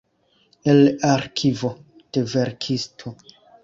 El arkivo de verkisto.